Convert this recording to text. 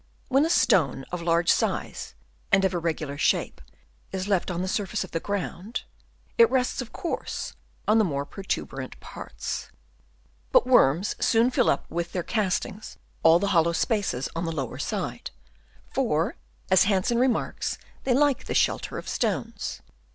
— When a stone of large size and of irregular shape is left on the surface of the ground, it rests, of course, on the more protuberant parts ; but worms soon fill up with their castings all the hollow spaces on the lower side ; for, as Hensen re marks, they like the shelter of stones.